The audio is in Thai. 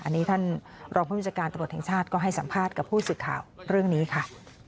อันนี้ท่านรองผู้บัญชาการตำรวจแห่งชาติก็ให้สัมภาษณ์กับผู้สื่อข่าวเรื่องนี้ค่ะ